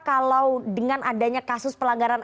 kalau dengan adanya kasus pelanggaran